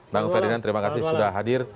bang ferdinand terima kasih sudah hadir